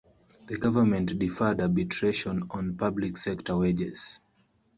The government deferred arbitration on public sector wages.